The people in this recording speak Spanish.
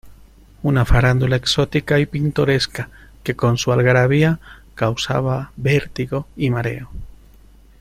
una farándula exótica y pintoresca que con su algarabía causaba vértigo y mareo.